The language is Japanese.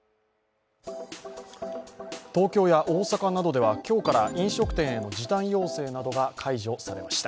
東京や大阪などでは、今日から飲食店への時短要請などが解除されました。